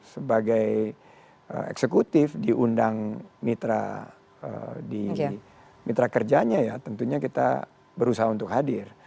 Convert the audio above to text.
sebagai eksekutif diundang mitra di mitra kerjanya ya tentunya kita berusaha untuk hadir